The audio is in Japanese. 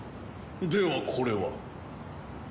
ではこれは？